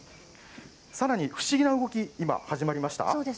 さらに、不思議な動き、今、始まりました？